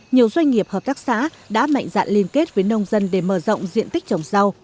nhiều doanh nghiệp hợp tác xã đã mạnh dạn liên kết với nông dân để mở rộng diện tích trồng rau